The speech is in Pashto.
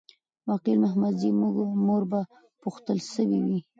وکیل محمدزی مور به پوښتل سوې وي.